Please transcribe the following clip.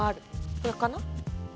これかな？